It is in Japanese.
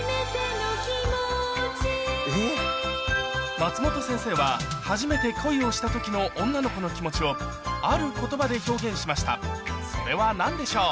松本先生は初めて恋をした時の女の子の気持ちをある言葉で表現しましたそれは何でしょう？